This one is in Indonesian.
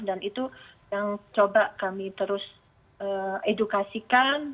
dan itu yang coba kami terus edukasikan